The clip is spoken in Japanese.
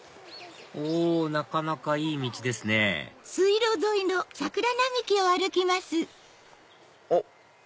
おなかなかいい道ですねおっ！